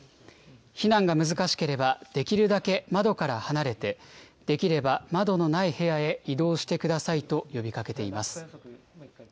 避難が難しければ、できるだけ窓から離れて、できれば窓のない部屋へ移動してくださいと呼びかけています。